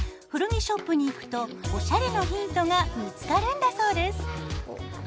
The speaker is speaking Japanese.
古着ショップに行くとおしゃれのヒントが見つかるんだそうです。